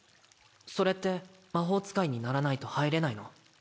それって魔法使いにならないと入れないの？